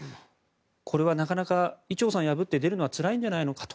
これはなかなか、伊調さんを破って出るのはつらいんじゃないかと。